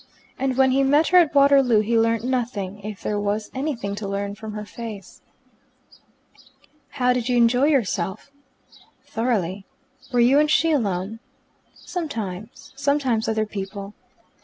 And when he met her at Waterloo he learnt nothing (if there was anything to learn) from her face. "How did you enjoy yourself?" "Thoroughly." "Were you and she alone?" "Sometimes. Sometimes other people."